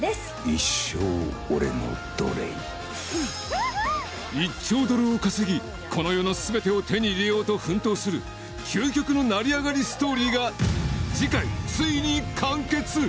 一生俺の奴隷１兆ドルを稼ぎこの世の全てを手に入れようと奮闘する究極の成り上がりストーリーが次回ついに完結